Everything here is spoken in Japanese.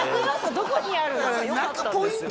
どこにあるの？